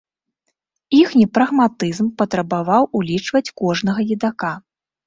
Іхні прагматызм патрабаваў улічваць кожнага едака.